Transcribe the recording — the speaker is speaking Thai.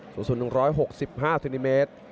สูงสุด๑๖๕เซนติเมตร